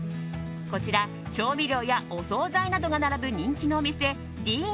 こちら調味料やお総菜などが並ぶ人気のお店ＤＥＡＮ